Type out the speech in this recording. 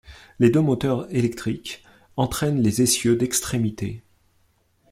Les deux moteurs électriques entraînent les essieux d'extrémité.